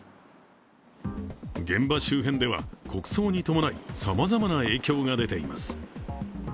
現場周辺では、国葬に伴い、さまざまな影響が出ています。